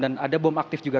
dan ada bom aktif juga